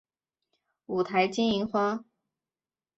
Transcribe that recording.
五台金银花